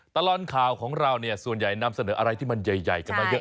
ตลอดข่าวของเราเนี่ยส่วนใหญ่นำเสนออะไรที่มันใหญ่กันมาเยอะ